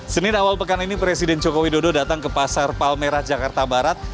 senin awal pekan ini presiden joko widodo datang ke pasar palmerah jakarta barat